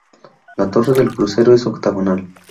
La torre del crucero es octogonal.